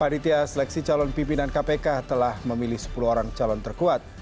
panitia seleksi calon pimpinan kpk telah memilih sepuluh orang calon terkuat